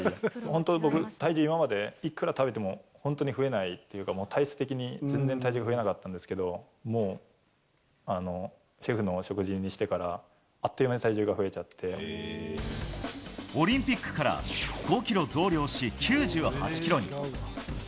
本当僕、体重、今までいくら食べても本当に増えないっていうか、体質的に本当に体重、増えなかったんですけど、もう、シェフの食事にしてから、あっとオリンピックから５キロ増量し、９８キロに。